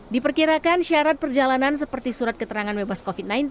diperkirakan syarat perjalanan seperti surat keterangan bebas covid sembilan belas